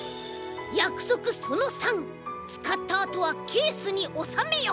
やくそくその３「つかったあとはケースにおさめよ！」。